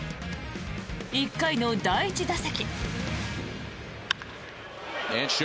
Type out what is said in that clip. １回の第１打席。